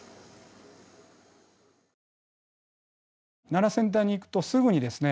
奈良先端に行くとすぐにですね